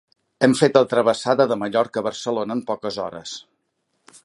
Hem fet la travessada de Mallorca a Barcelona en poques hores.